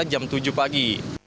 jam tujuh pagi